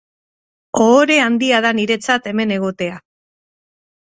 Ohore handia da niretzat hemen egotea.